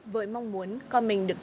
với mong muốn con mình được